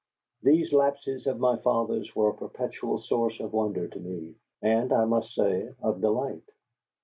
These lapses of my father's were a perpetual source of wonder to me, and, I must say, of delight.